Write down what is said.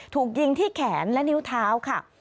ถูกยิงที่แขนและนิ้วเท้าค่ะ